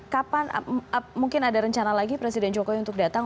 kapan mungkin ada rencana lagi presiden jokowi untuk datang